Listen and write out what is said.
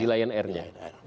di lion air nya